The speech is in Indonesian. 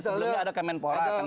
sebelumnya ada kemenpora kena otd